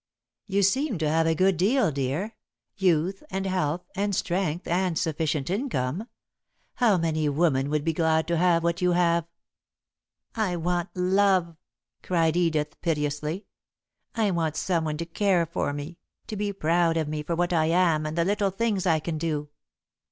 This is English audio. "You seem to have a good deal, dear youth and health and strength and sufficient income. How many women would be glad to have what you have?" "I want love," cried Edith, piteously. "I want someone to care for me to be proud of me for what I am and the little things I can do!